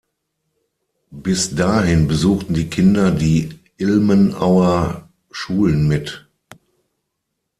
Bis dahin besuchten die Kinder die Ilmenauer Schulen mit.